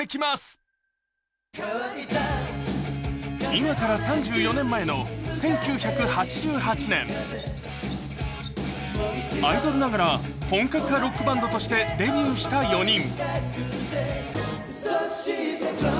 今から３４年前の１９８８年、アイドルながら本格派ロックバンドとしてデビューした４人。